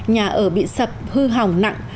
nhà ở bị sập hư hỏng nặng